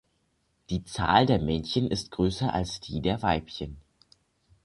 Die Zahl der Männchen ist größer als die der Weibchen.